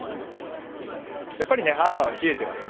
やっぱり朝は冷えていますね。